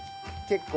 結構。